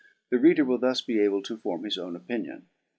The reader will thus be able to form his own opinion.